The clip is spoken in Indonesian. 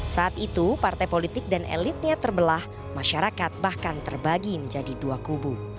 saat itu partai politik dan elitnya terbelah masyarakat bahkan terbagi menjadi dua kubu